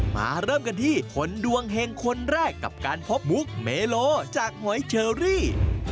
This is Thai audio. มาเริ่มกันที่คนดวงเห็งคนแรกกับการพบมุกเมโลจากหอยเชอรี่